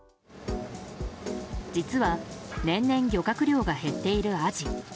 実は、年々漁獲量が減っているアジ。